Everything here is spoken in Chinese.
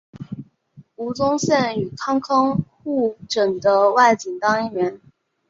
吴宗宪与康康互整的外景单元。